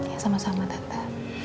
ya sama sama tante